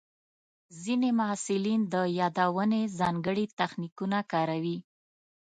ځینې محصلین د یادونې ځانګړي تخنیکونه کاروي.